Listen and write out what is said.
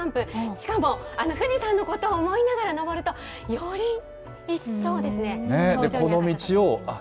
しかも、あの富士山のことを思いながら登ると、より一層ですね、頂上に上がる。